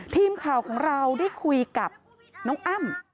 ทีมข่าวของเราได้คุยกับน้องอ้ำ